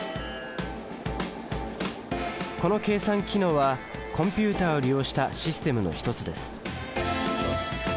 この計算機能はコンピュータを利用したシステムの一つです